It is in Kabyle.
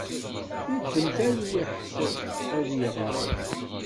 Yeddem talwiḥt ad iɣer.